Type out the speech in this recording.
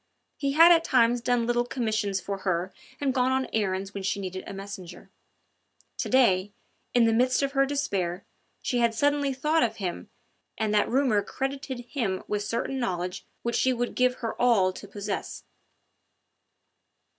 He had at times done little commissions for her and gone on errands when she needed a messenger; to day, in the midst of her despair, she had suddenly thought of him and that rumour credited him with certain knowledge which she would give her all to possess.